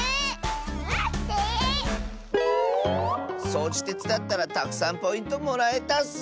そうじてつだったらたくさんポイントもらえたッス。